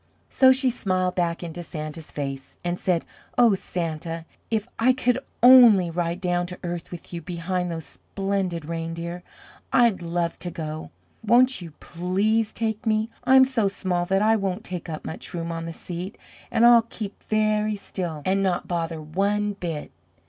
So she smiled back into Santa's face and said: "Oh, Santa, if I could ONLY ride down to Earth with you behind those splendid reindeer! I'd love to go; won't you PLEASE take me? I'm so small that I won't take up much room on the seat, and I'll keep very still and not bother one bit!"